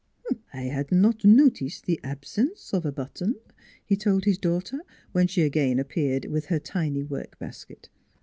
" I had not noticed the absence of a button," he told his daughter, when she again appeared, with her tiny work basket.